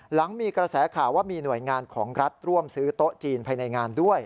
หลังมีกระแสข่าวว่ามีหน่วยงานของรัฐร่วมซื้อโต๊ะจีนภายในงานด้วย